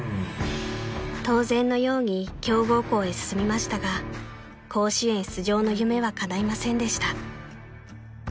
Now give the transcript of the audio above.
［当然のように強豪校へ進みましたが甲子園出場の夢はかないませんでした］